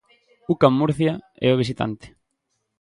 Ucam Murcia é o visitante.